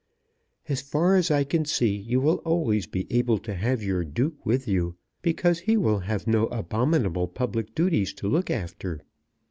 As far as I can see you will be always able to have your duke with you, because he will have no abominable public duties to look after.